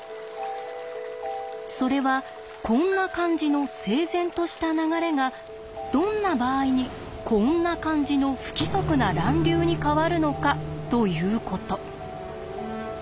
それはこんな感じの整然とした流れがどんな場合にこんな感じの不規則な乱流に変わるのかということ。